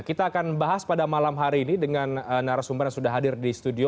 kita akan bahas pada malam hari ini dengan narasumber yang sudah hadir di studio